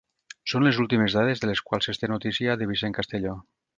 Són les últimes dades de les quals es té notícia de Vicent Castelló.